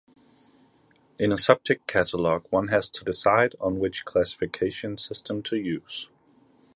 In a subject catalog, one has to decide on which classification system to use.